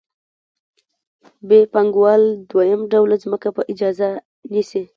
ب پانګوال دویم ډول ځمکه په اجاره نیسي